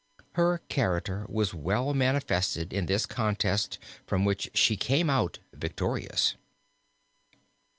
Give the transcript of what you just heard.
Her character was well manifested in this contest from which she came out victorious.